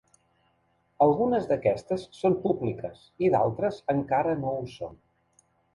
Algunes d’aquestes són públiques i d’altres encara no ho són.